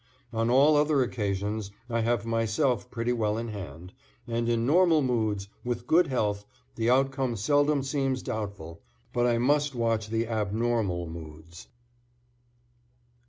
On all other occasions I have myself pretty well in hand, and in normal moods, with good health, the outcome seldom seems doubtful, but I must watch the abnormal moods.